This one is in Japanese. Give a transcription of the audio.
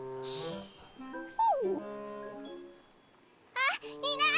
あっいない！